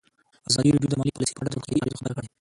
ازادي راډیو د مالي پالیسي په اړه د روغتیایي اغېزو خبره کړې.